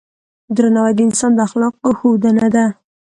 درناوی د انسان د اخلاقو ښودنه ده.